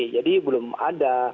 jadi belum ada